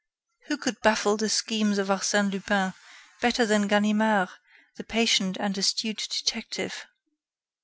Who could baffle the schemes of Arsène Lupin better than Ganimard, the patient and astute detective?